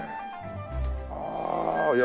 ああいや